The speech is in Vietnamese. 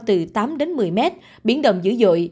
từ tám một mươi m biển đồng dữ dội